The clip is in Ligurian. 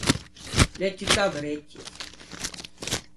L’é tutto abrettio.